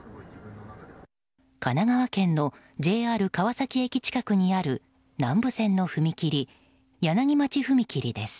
神奈川県のＪＲ川崎駅近くにある南武線の踏切柳町踏切です。